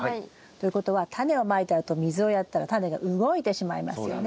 ということはタネをまいたあと水をやったらタネが動いてしまいますよね。